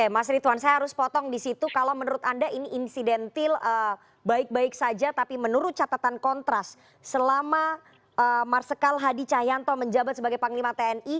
mas rituan saya harus potong di situ kalau menurut anda ini insidentil baik baik saja tapi menurut catatan kontras selama marsikal hadi cahyanto menjabat sebagai panglima tni